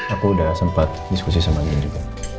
aku udah sempat diskusi sama dia juga